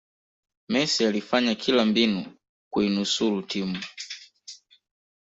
messi alifanya kila mbinu kuinusulu timu